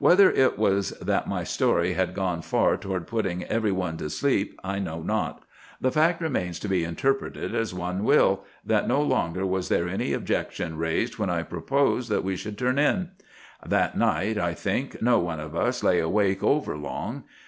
Whether it was that my story had gone far toward putting every one to sleep, I know not. The fact remains, to be interpreted as one will, that no longer was there any objection raised when I proposed that we should turn in. That night, I think, no one of us lay awake over long.